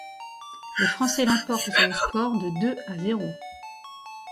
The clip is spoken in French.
Les Français l'emportent sur le score de deux à zéro.